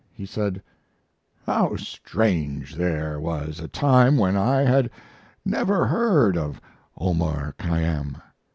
He said: How strange there was a time when I had never heard of Omar Khayyam!